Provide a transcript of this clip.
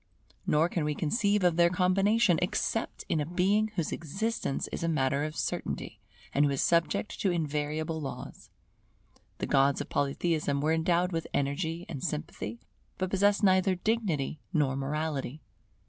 Nor can we conceive of their combination, except in a Being whose existence is a matter of certainty, and who is subject to invariable laws. The gods of Polytheism were endowed with energy and sympathy, but possessed neither dignity nor morality.